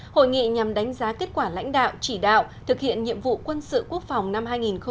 hội nghị nhằm đánh giá kết quả lãnh đạo chỉ đạo thực hiện nhiệm vụ quân sự quốc phòng năm hai nghìn một mươi chín